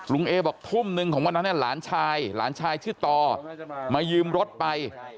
เอบอกทุ่มหนึ่งของวันนั้นหลานชายหลานชายชื่อต่อมายืมรถไป